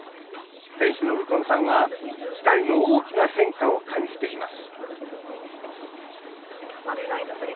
店主の右近さんは、時代の大きな変化を感じています